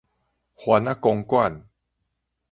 番仔公館